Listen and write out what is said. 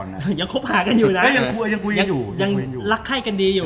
ยังหักไข้กันดีอยู่